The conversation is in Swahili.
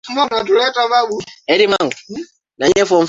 russell alijulikana kwa kuokoa maisha yake kwenye titanic